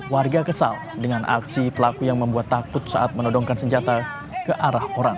warga kesal dengan aksi pelaku yang membuat takut saat menodongkan senjata ke arah orang